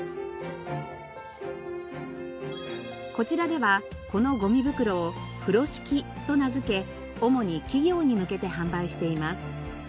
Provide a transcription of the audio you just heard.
こちらではこのごみ袋を「ＦＵＲＯＳＨＩＫＩ」と名付け主に企業に向けて販売しています。